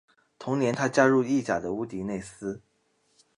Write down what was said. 同年他加入意甲的乌迪内斯。